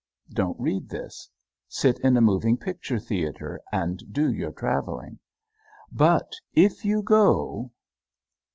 Don't read this. Sit in a moving picture theater and do your traveling. But if you go